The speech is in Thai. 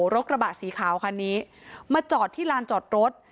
กระบะสีขาวคันนี้มาจอดที่ลานจอดรถ